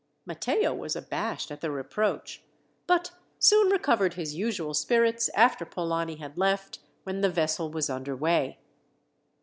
Matteo was abashed at the reproach, but soon recovered his usual spirits after Polani had left, when the vessel was under way.